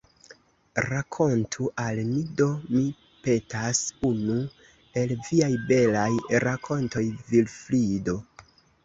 Rakontu al ni do, mi petas, unu el viaj belaj rakontoj, Vilfrido.